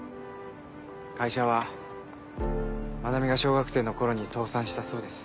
会社は真名美が小学生の頃に倒産したそうです。